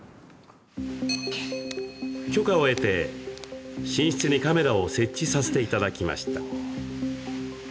許可を得て、寝室にカメラを設置させていただきました。